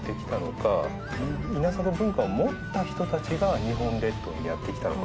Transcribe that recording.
稲作文化を持った人たちが日本列島にやって来たのか？